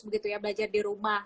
begitu ya belajar di rumah